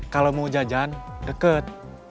kalau mau jajan deket